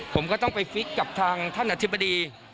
ผมก็ต้องไปฟิกกับทางท่านอธิบดี